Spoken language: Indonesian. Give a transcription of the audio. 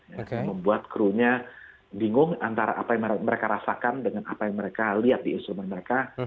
yang membuat krunya bingung antara apa yang mereka rasakan dengan apa yang mereka lihat di instrumen mereka